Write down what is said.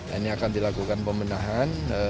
ini akan dilakukan pembenahan